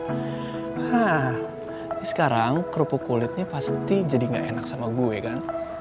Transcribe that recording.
nah ini sekarang kerupuk kulitnya pasti jadi gak enak sama gue kan